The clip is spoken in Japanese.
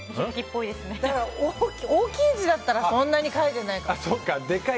大きい字だったらそんなに書いてないかも。